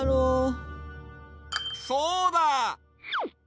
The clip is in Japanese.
そうだ！